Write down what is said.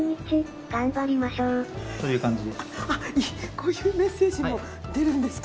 こういうメッセージも出るんですか。